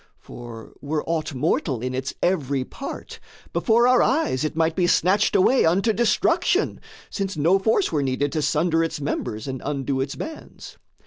For, were aught mortal in its every part, Before our eyes it might be snatched away Unto destruction; since no force were needed To sunder its members and undo its bands.